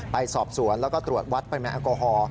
ไปสอบสวนแล้วก็ตรวจวัดปริมาณแอลกอฮอล์